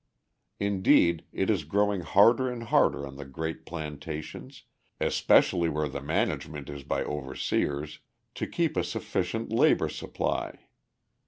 Indeed, it is growing harder and harder on the great plantations, especially where the management is by overseers, to keep a sufficient labour supply.